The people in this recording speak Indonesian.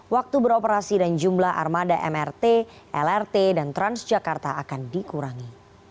waktu beroperasi dan jumlah armada mrt lrt dan transjakarta akan dikurangi